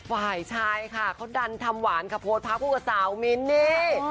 ว่าใช่ค่ะเค้าดันทำวาหลงกระโพสภาพผู้ขัดสาวมิ้นต์นี้